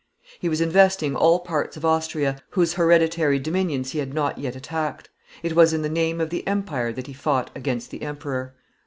He was investing all parts of Austria, whose hereditary dominions he had not yet attacked; it was in the name of the empire that he fought against the emperor.